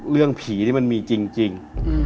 เรื่องผีนี่มันมีจริง